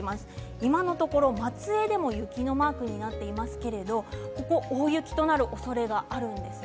今のところ松江でも雪のマークになっていますけれど大雪となるおそれがあるんです。